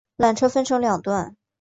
缆车分成两段